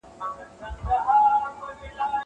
زه کتابونه ليکلي دي!